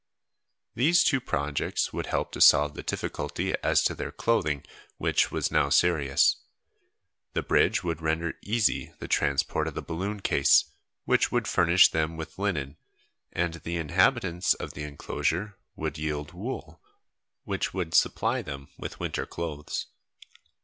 These two projects would help to solve the difficulty as to their clothing, which was now serious. The bridge would render easy the transport of the balloon case, which would furnish them with linen, and the inhabitants of the enclosure would yield wool which would supply them with winter clothes.